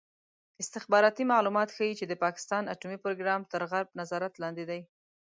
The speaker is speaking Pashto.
استخباراتي معلومات ښيي چې د پاکستان اټومي پروګرام تر غرب نظارت لاندې دی.